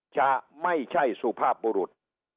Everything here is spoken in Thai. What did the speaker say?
จะไม่ใช่สุภาพบุรุษ